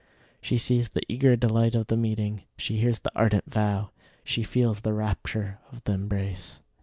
She sees the eager delight of the meeting; she hears the ardent vow; she feels the rapture of the embrace.